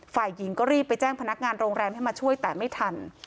ฝ่ายหญิงก็รีบไปแจ้งพนักงานโรงแรมให้มาช่วยแต่ไม่ทัน